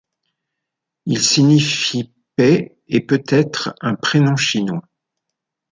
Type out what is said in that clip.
Il signifie paix et peut être un prénom chinois.